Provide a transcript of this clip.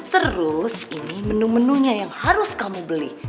terus ini menu menunya yang harus kamu beli